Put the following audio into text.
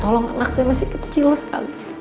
tolong anak saya masih kecil sekali